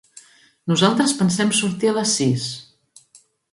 Nosaltres pensem sortir a les sis.